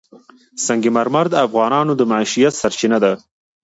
سنگ مرمر د افغانانو د معیشت سرچینه ده.